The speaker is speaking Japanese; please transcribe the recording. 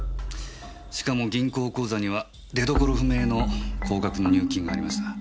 しかも銀行口座には出所不明の高額の入金がありました。